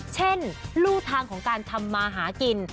ลู่ทางของการทำมาหากิน